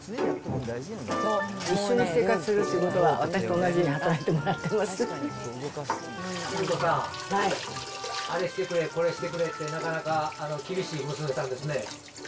一緒に生活するということは、私と同じように働いてもらってスズ子さん、あれしてくれ、これしてくれって、なかなか厳しい娘さんですね。